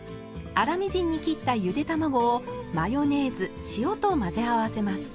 粗みじんに切ったゆで卵をマヨネーズ塩と混ぜ合わせます。